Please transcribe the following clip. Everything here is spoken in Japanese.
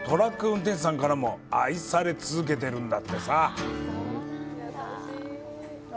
運転手さんからも愛され続けているんだって。